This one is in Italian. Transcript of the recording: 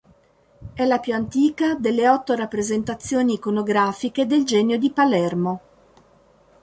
È la più antica delle otto rappresentazioni iconografiche del Genio di Palermo.